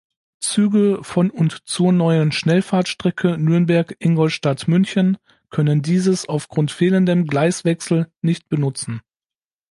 Züge von und zur neuen Schnellfahrstrecke Nürnberg–Ingolstadt–München können dieses aufgrund fehlendem Gleiswechsel nicht benutzen.